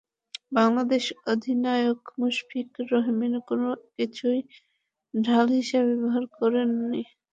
বাংলাদেশ অধিনায়ক মুশফিকুর রহিম কোনো কিছুই ঢাল হিসেবে ব্যবহার করেন নি।